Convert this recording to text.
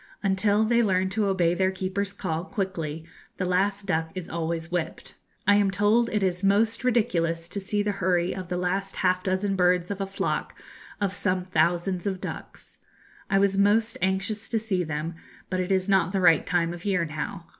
Until they learn to obey their keeper's call quickly the last duck is always whipped. I am told it is most ridiculous to see the hurry of the last half dozen birds of a flock of some thousands of ducks. I was most anxious to see them, but it is not the right time of year now.